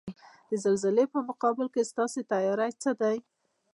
د زلزلې په مقابل کې ستاسو تیاری څه دی؟